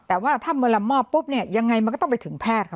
แต่ว่าถ้าเมื่อเรามอบปุ๊บเนี่ยยังไงมันก็ต้องไปถึงแพทย์ค่ะ